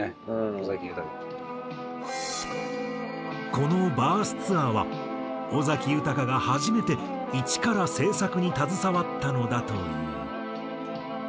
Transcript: このＢＩＲＴＨツアーは尾崎豊が初めて一から制作に携わったのだという。